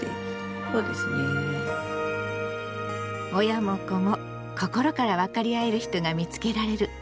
親も子も心から分かり合える人が見つけられる。